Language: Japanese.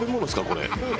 これ。